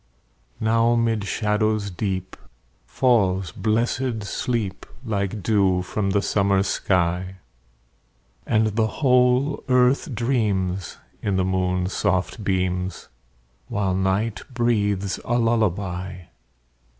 Now 'mid shadows deep Falls blessed sleep, Like dew from the summer sky; And the whole earth dreams, In the moon's soft beams, While night breathes a lullaby.